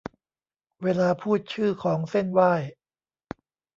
เวลาพูดชื่อของเซ่นไหว้